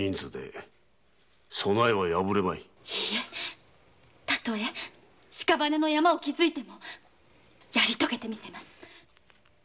いいえ例え屍の山を築いてもやりとげてみせます